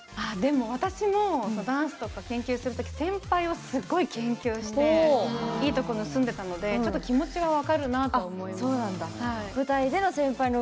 私も、ダンスとか研究する時先輩をすごい研究していいところ盗んでいたのでちょっと気持ちは分かるなと思いました。